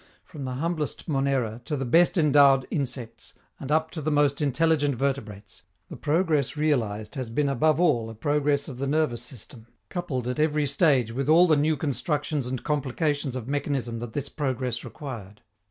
From the humblest Monera to the best endowed insects, and up to the most intelligent vertebrates, the progress realized has been above all a progress of the nervous system, coupled at every stage with all the new constructions and complications of mechanism that this progress required.